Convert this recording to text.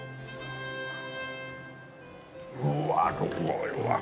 うわすごいわ。